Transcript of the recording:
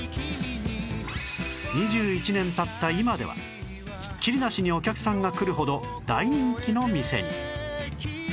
２１年経った今ではひっきりなしにお客さんが来るほど大人気の店に